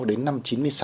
đến năm chín mươi sáu